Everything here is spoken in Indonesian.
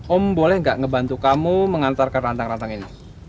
om boleh gak ngebantu kamu mengantarkan rantang rantang ini